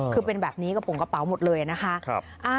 คือเป็นแบบนี้กระโปรงกระเป๋าหมดเลยนะคะ